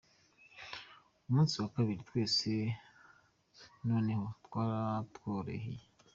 Ku munsi wa kabiri, twese noneho byaratworoyehe.